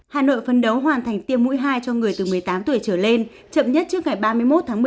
hà nội phân đấu hoàn thành tiêm mũi hai cho người từ một mươi tám tuổi trở lên chậm nhất trước ngày ba mươi một tháng một mươi